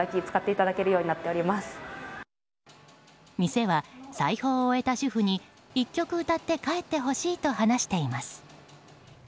店は裁縫を終えた主婦に１曲歌って帰ってほしいと話しています。